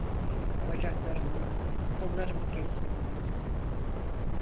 Bacaklarımı, kollarımı kesmeyi unutma…